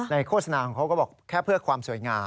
โฆษณาของเขาก็บอกแค่เพื่อความสวยงาม